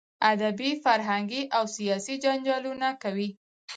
ادبي، فرهنګي او سیاسي جنجالونه کوي.